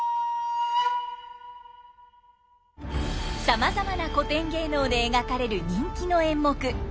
さまざまな古典芸能で描かれる人気の演目「三番叟」。